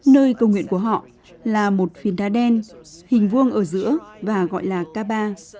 nơi cầu nguyện của họ là một phiền thá đen hình vuông ở giữa và gọi là kaba